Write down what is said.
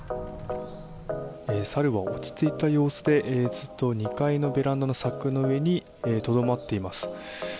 サルは落ち着いた様子で、ずっと２階のベランダの柵の上にとどまっています。